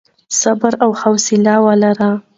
صبر او حوصله ولرئ.